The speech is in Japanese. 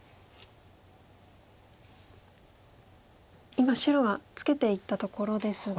今白がツケていったところですが。